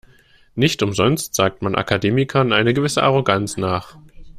Nicht umsonst sagt man Akademikern eine gewisse Arroganz nach.